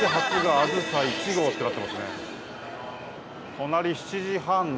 隣７時半の。